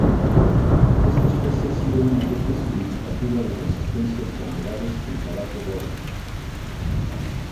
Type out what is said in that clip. Esta especie ha sido una fuente significativa de resistencia a enfermedades en tabaco burley.